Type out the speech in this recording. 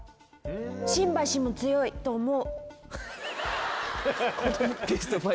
新橋も強いと思う。